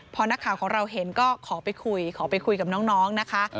พอนักข่าวของเราเห็นก็ขอไปคุยขอไปคุยกับน้องนะคะ